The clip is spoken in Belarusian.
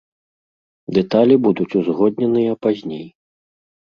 Дэталі будуць узгодненыя пазней.